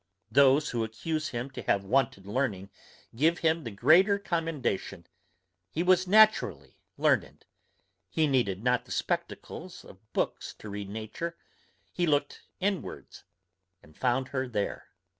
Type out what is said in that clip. Those who accuse him to have wanted learning, give him the greater commendation: he was naturally learned: he needed not the spectacles of books to read nature; he looked inwards, and found her there.